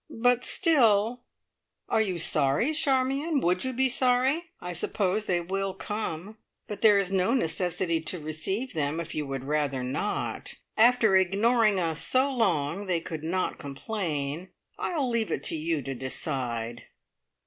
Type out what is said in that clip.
But still "Are you sorry, Charmion? Would you be sorry? I suppose they will come, but there is no necessity to receive them, if you would rather not. After ignoring us so long, they could not complain. I will leave it to you to decide."